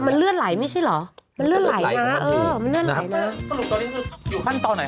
แต่มันเลือดไหลไม่ใช่เหรอมันเลือดไหลนะ